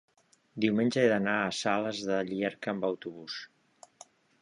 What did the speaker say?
diumenge he d'anar a Sales de Llierca amb autobús.